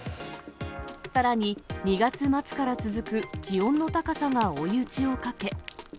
さらに、２月末から続く気温の高さが追い打ちをかけ。